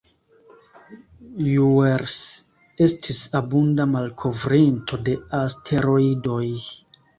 Juels estis abunda malkovrinto de asteroidoj.